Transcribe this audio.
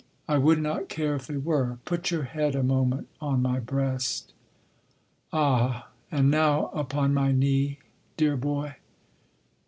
I would not care if they were—put your head a moment on my breast.... Ah, and now upon my knee ... dear boy